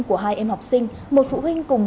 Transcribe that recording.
của hai em học sinh một phụ huynh cùng